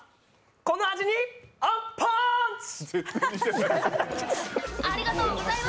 この味にアンパーンチ！